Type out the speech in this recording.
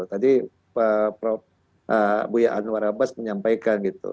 tadi prof buya anwar abbas menyampaikan gitu